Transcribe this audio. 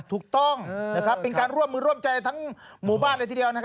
ถูกต้องเป็นการร่วมเจ้าทั้งหมู่บ้านในที่เดียว